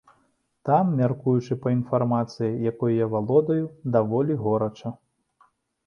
Там, мяркуючы па інфармацыі, якой я валодаю, даволі горача.